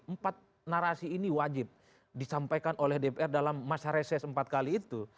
empat narasi ini wajib disampaikan oleh dpr dalam masa reses empat kali itu